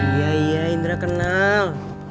iya iya indra kenal